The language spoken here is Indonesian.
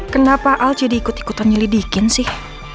kenapa al jadi ikut ikutan nyelidikin sih